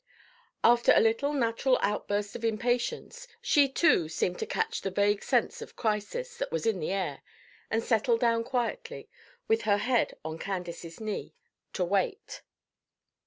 After a little natural outburst of impatience, she too seemed to catch the vague sense of crisis that was in the air, and settled down quietly, with her head on Candace's knee, to wait.